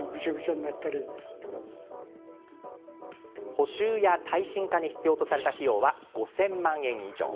補修や耐震化に必要とされた費用は５０００万円以上。